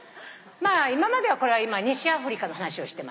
今までこれは西アフリカの話をしてました。